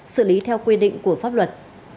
xử lý theo quy định của pháp luật